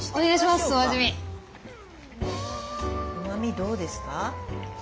うまみどうですか？